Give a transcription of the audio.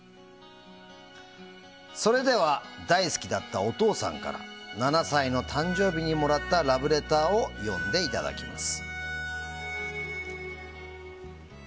それでは大好きだったお父さんから７歳の誕生日にもらったラブレターを読んでいただきます。